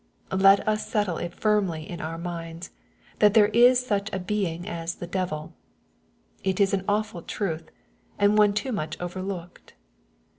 Let us settle it firmly in our minds^ that there is such a being as the devil. It is an awful truths and one too much overlooked.